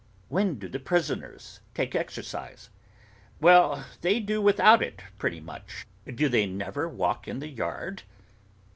'When do the prisoners take exercise?' 'Well, they do without it pretty much.' 'Do they never walk in the yard?